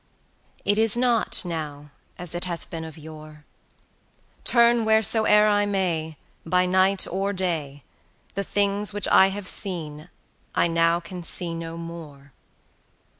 5 It is not now as it hath been of yore;— Turn wheresoe'er I may, By night or day, The things which I have seen I now can see no more.